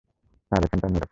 Sir, এখানটা নিরাপদ।